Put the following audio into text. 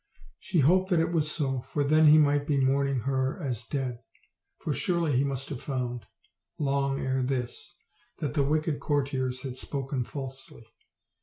She hoped that it was so, for then he might be mourning her as dead; for surely he must have found, long ere this, that the wicked courtiers had spoken falsely.